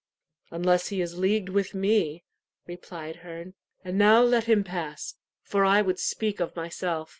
"Unless he is leagued with me," replied Herne. "And now let him pass, for I would speak of myself.